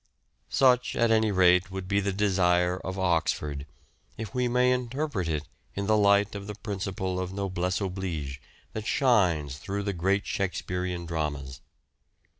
Such, at any rate, would be the desire of Oxford, if we may interpret it in the light of the principle of noblesse oblige that shines through the great Shakespearean dramas.